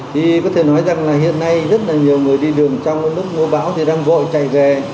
thì có thể nói rằng là hiện nay rất là nhiều người đi đường trong lúc mưa bão thì đang vội chạy về